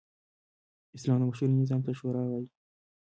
اسلام د مشورې نظام ته “شورا” وايي.